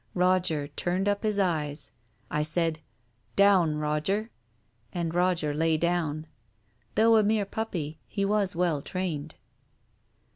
Roger turned up his eyes. ... I said, "Down, Roger !" and Roger lay down. Though a mere puppy, he was well trained.